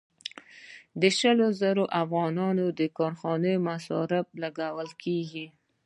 شل زره افغانۍ د کارخانې په مصارفو لګول کېږي